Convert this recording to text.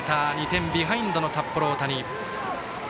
２点ビハインドの札幌大谷。